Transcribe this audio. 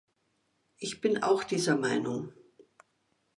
Ich bin auch dieser Meinung.